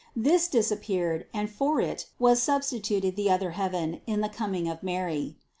This dis appeared and for it was substituted the other heaven in the coming of Mary.